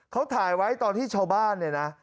เขาถ่ายไว้ตอนที่ชาวบ้านเนี่ยนะ